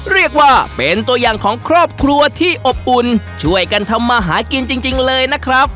เรียกว่าเป็นตัวอย่างของครอบครัวที่อบอุ่นช่วยกันทำมาหากินจริงเลยนะครับ